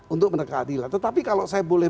untuk menerkeadilan tetapi kalau saya boleh